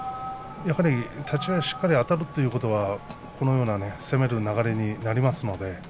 立ち合い、しっかりあたるということはこのような攻める流れになりますので。